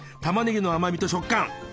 たまねぎの甘みと食感。